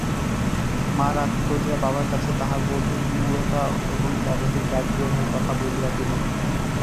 মা রাগ করিয়া বাবার কাছে তাঁহার বধূর মূঢ়তা এবং ততোধিক একগুঁয়েমির কথা বলিয়া দিলেন।